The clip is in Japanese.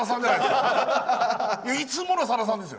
いつものさださんですよ！